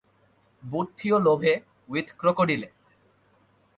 Boot they love with ক্রোকোডিলে।